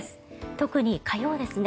特に火曜ですね。